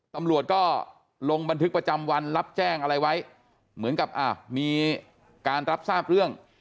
ตำรวจก็ลงบันทึกประจำวันรับแจ้งอะไรไว้เหมือนกับมีการรับทราบเรื่อง